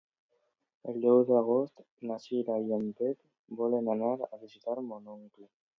El deu d'agost na Cira i en Pep volen anar a visitar mon oncle.